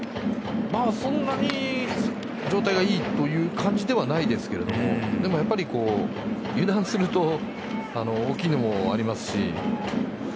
そんなに状態がいいという感じではないですけどもでもやっぱり油断すると大きいのもありますし。